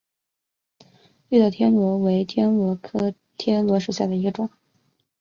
绿岛天螺为天螺科天螺属下的一个种。